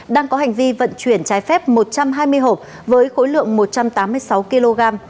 đang có hành vi vận chuyển trái phép một trăm hai mươi hộp với khối lượng một trăm tám mươi sáu kg